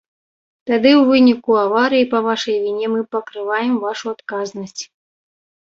Тады ў выніку аварыі па вашай віне мы пакрываем вашу адказнасць.